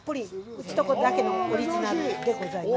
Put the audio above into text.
うちとこだけのオリジナルでございます。